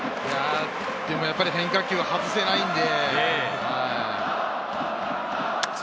でもやっぱり変化球は外せないので。